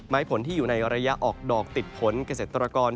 ผลที่อยู่ในระยะออกดอกติดผลเกษตรกร